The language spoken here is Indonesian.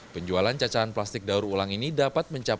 penjualan cacahan plastik di gbk ini akan mencapai rp satu